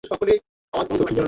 তো কী বলে ডাকবো?